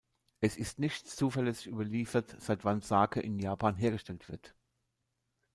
Es ist nicht zuverlässig überliefert, seit wann Sake in Japan hergestellt wird.